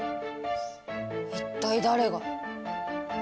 一体誰が。